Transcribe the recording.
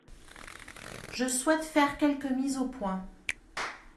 Je souhaite faire quelques mises au point.